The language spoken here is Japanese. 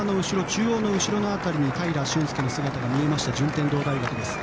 中央の後ろの辺りに平駿介が見えました順天堂大学です。